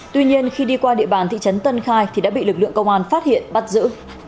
tuy nhiên khi đi qua địa bàn thị trấn tân khai thì đã bị lực lượng công an phát hiện bắt giữ